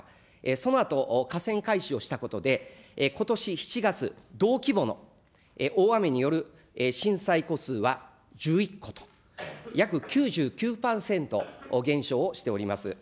そのあと河川改修をしたことで、ことし７月、同規模の大雨による浸水戸数は１１戸と、約９９％減少をしております。